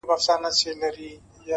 د زړه قوت د ستونزو نه لوی وي